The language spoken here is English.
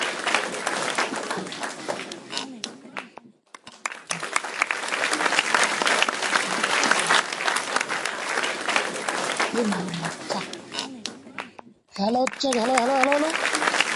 Some items of campaign furniture are instantly recognizable as made to dismantle or fold.